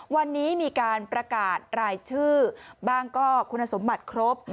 วันนี้มีการประกาศรายชื่อบ้างก็คุณสมบัติครบ